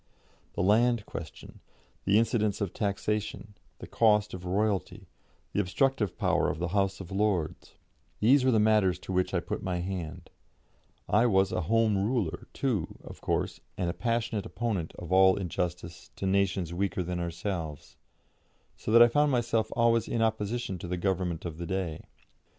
The land question, the incidence of taxation, the cost of Royalty, the obstructive power of the House of Lords these were the matters to which I put my hand; I was a Home Ruler, too, of course, and a passionate opponent of all injustice to nations weaker than ourselves, so that I found myself always in opposition to the Government of the day.